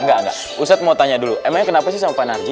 enggak enggak usah mau tanya dulu emangnya kenapa sih sama pak narja